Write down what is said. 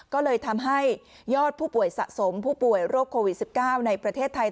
ก็เลยทำให้ยอดผู้ป่วยสะสมผู้ป่วยโรคโควิด๑๙ในประเทศไทย